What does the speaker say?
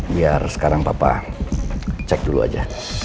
biar sekarang papa cek dulu aja